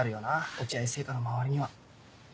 落合製菓の周りには。